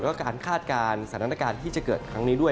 แล้วก็การคาดการณ์สถานการณ์ที่จะเกิดครั้งนี้ด้วย